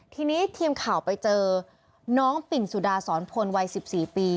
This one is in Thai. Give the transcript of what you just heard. ทีนี้ทีมข่าวไปเจอน้องปิ่นสุดาสอนพลวัย๑๔ปี